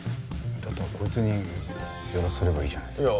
だったらこいつにやらせればいいじゃないですか。